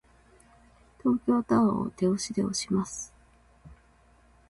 東京タワーを手押しで押します。